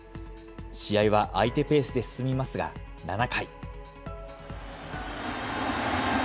試合は相手ペースで進みますが、７回。